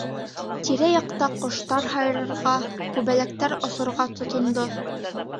Тирә-яҡта ҡоштар һайрарға, күбәләктәр осорға тотондо.